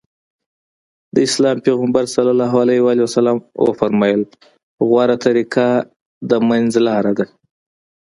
د اسلام پيغمبر ص وفرمايل غوره طريقه د منځ لاره ده.